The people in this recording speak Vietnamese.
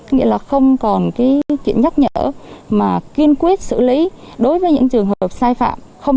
có nghĩa là không còn cái chuyện nhắc nhở mà kiên quyết xử lý đối với những trường hợp sai phạm